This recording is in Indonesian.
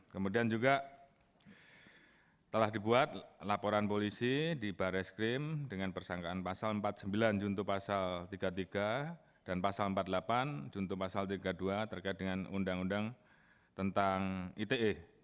kemudian juga telah dibuat laporan polisi di barreskrim dengan persangkaan pasal empat puluh sembilan juntuh pasal tiga puluh tiga dan pasal empat puluh delapan juntuh pasal tiga puluh dua terkait dengan undang undang tentang ite